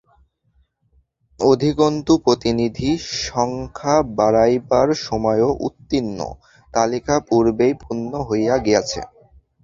অধিকন্তু প্রতিনিধি-সংখ্যা বাড়াইবার সময়ও উত্তীর্ণ, তালিকা পূর্বেই পূর্ণ হইয়া গিয়াছে।